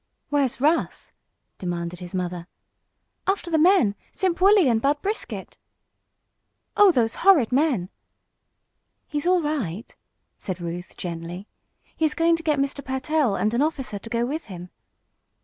"Where's Russ?" demanded his mother. "After the men Simp Wolley and Bud Brisket!" "Oh, those horrid men!" "He's all right," said Ruth, gently. "He is going to get Mr. Pertell and an officer to go with him."